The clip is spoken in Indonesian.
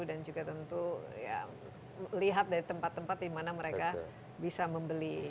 dan juga tentu lihat dari tempat tempat di mana mereka bisa membeli